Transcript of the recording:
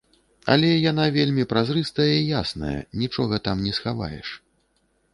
Але яна і вельмі празрыстая і ясная, нічога там не схаваеш.